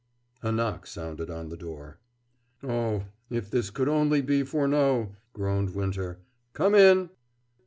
A knock sounded on the door. "Oh, if this could only be Furneaux!" groaned Winter. "Come in!